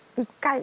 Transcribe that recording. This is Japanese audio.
１回。